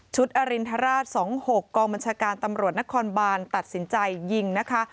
อรินทราช๒๖กองบัญชาการตำรวจนครบานตัดสินใจยิงนะคะ